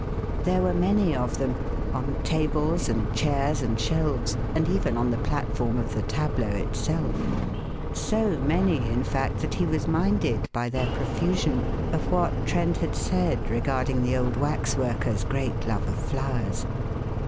There were many of them on tables and chairs and shelves, and even on the platform of the tableau itself so many, in fact, that he was minded, by their profusion, of what Trent had said regarding the old waxworker's great love of flowers.